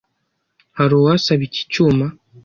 Hari uwasaba iki cyuma?